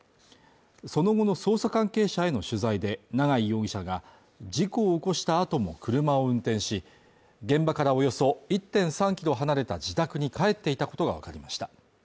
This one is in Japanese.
その後の捜査関係者への取材で、長井容疑者が事故を起こした後も、車を運転し、現場からおよそ１．３ｋｍ離れた自宅に帰っていたことがわかりました。